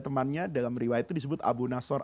temannya dalam riwayat itu disebut abu nasor